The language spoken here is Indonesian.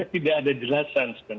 tidak ada jelasan